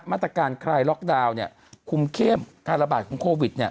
มาตรการคลายล็อกดาวน์เนี่ยคุมเข้มธาราบาทของโควิดเนี่ย